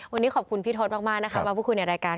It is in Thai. วันนี้ขอบคุณพี่ทศมากนะคะมาพูดคุยในรายการ